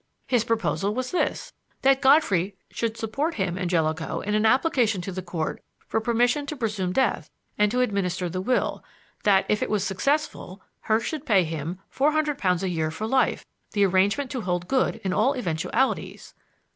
"His proposal was this: that Godfrey should support him and Jellicoe in an application to the Court for permission to presume death and to administer the will, that if it was successful, Hurst should pay him four hundred pounds a year for life: the arrangement to hold good in all eventualities."